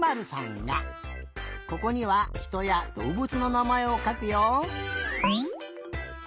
ここには「ひとやどうぶつ」のなまえをかくよ。